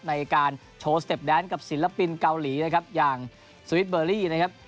ในการโชว์สเต็ปแดนกับศิลปินเกาหลีนะครับอย่างสวิทเบอร์รี่นะครับ